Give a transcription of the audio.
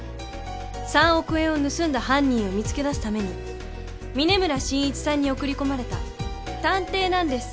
３億円を盗んだ犯人を見つけ出すために嶺村信一さんに送り込まれた探偵なんです。